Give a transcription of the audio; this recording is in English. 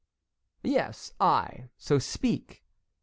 "Yes, I; so speak."